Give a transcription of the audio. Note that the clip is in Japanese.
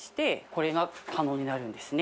これが可能になるんですね。